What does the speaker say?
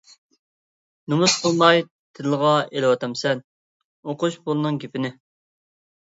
-نومۇس قىلماي تىلغا ئېلىۋاتامسەن، ئوقۇش پۇلىنىڭ گېپىنى!